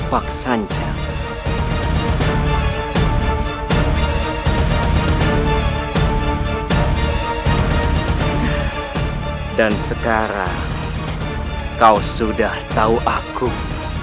masuklah ke dalam